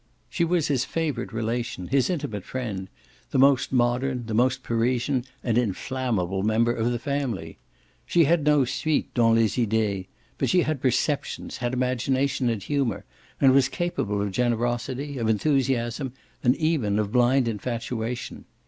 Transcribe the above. She was his favourite relation, his intimate friend the most modern, the most Parisian and inflammable member of the family. She had no suite dans les idees, but she had perceptions, had imagination and humour, and was capable of generosity, of enthusiasm and even of blind infatuation.